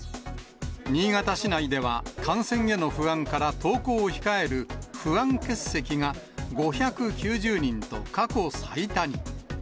新潟市内では、感染への不安から登校を控える不安欠席が５９０人と、過去最多に。